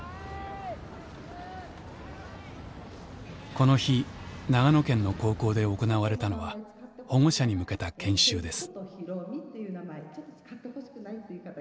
この日長野県の高校で行われたのは保護者に向けた研修です。